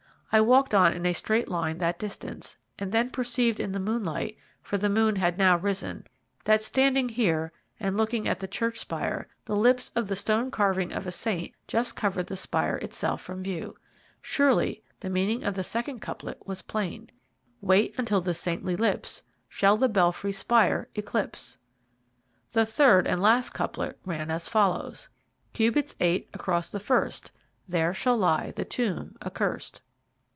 I walked on in a straight line that distance, and then perceived in the moonlight, for the moon had now risen, that standing here, and looking at the church spire, the lips of the stone carving of a saint just covered the spire itself from view. Surely the meaning of the second couplet was plain: Wait until the saintly lips Shall the belfry spire eclipse. The third and last couplet ran as follows: Cubits eight across the first There shall lie the tomb accurst.